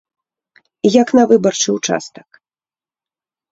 Як на выбарчы ўчастак.